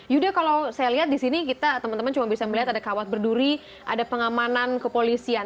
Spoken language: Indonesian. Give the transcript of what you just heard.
yuda kalau saya lihat di sini kita teman teman cuma bisa melihat ada kawat berduri ada pengamanan kepolisian